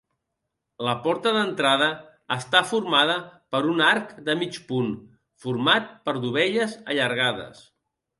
La porta d'entrada està formada per un arc de mig punt format per dovelles allargades.